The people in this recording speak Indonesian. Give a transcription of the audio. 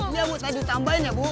ya bu tadi ditambahin ya bu